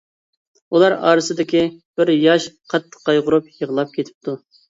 ئۇلار ئارىسىدىكى بىر ياش قاتتىق قايغۇرۇپ يىغلاپ كېتىپتۇ.